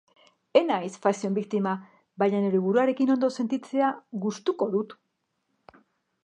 Ez naiz fashion victim-a, baina neure buruarekin ondo sentitzea gustuko dut.